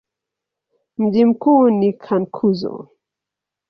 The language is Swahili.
Mji mkuu ni Cankuzo.